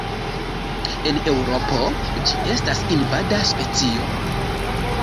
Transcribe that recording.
En Eŭropo ĝi estas invada specio.